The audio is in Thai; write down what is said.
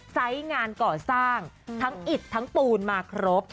งานก่อสร้างทั้งอิดทั้งปูนมาครบ